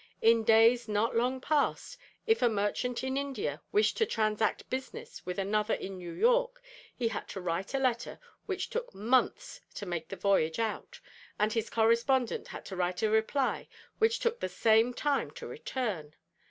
In days not long past, if a merchant in India wished to transact business with another in New York he had to write a letter which took months to make the voyage out, and his correspondent had to write a reply which took about the same time to return.